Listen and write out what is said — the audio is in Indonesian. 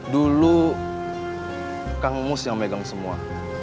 dulu kang mus yang megang semua